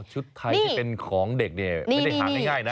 ชุดไทยที่เป็นของเด็กเนี่ยไม่ได้หาง่ายนะ